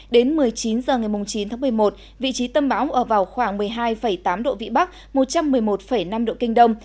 đến một mươi chín h ngày chín tháng một mươi một vị trí tâm bão ở vào khoảng một mươi hai tám độ vĩ bắc một trăm một mươi một năm độ kinh đông